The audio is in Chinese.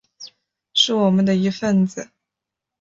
是我们的一分子